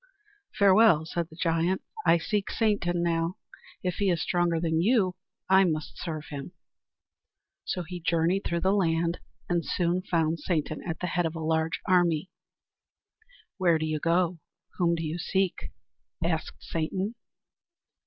"Farewell," said the giant. "I seek Satan now. If he is stronger than you, I must serve him." So he journeyed through the land and soon found Satan at the head of a large army. "Where do you go? Whom do you seek?" asked Satan.